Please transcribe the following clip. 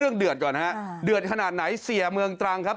เดือดก่อนฮะเดือดขนาดไหนเสียเมืองตรังครับ